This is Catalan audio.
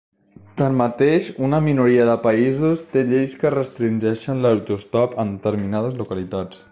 Tanmateix, una minoria de països té lleis que restringeixen l'autostop en determinades localitats.